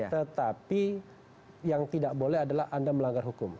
tetapi yang tidak boleh adalah anda melanggar hukum